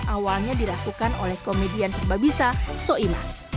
awalnya dirakukan oleh komedian sebab bisa soeimah